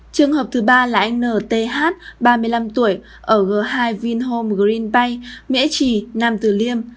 trường hợp thứ ba là n t h ba mươi năm tuổi ở g hai vinhome green bay mỹ trì nam từ liêm